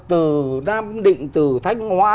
từ nam định thách hóa